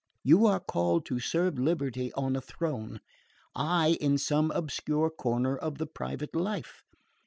You are called to serve liberty on a throne, I in some obscure corner of the private life.